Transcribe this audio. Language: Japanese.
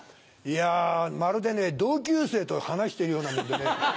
いやまるでね同級生と話してるようなもんでね。